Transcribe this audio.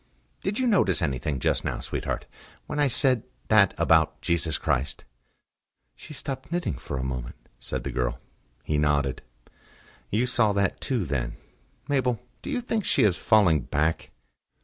"Did you notice anything just now, sweetheart when I said that about Jesus Christ?" "She stopped knitting for a moment," said the girl. He nodded. "You saw that too, then.... Mabel, do you think she is falling back?"